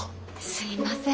すいません。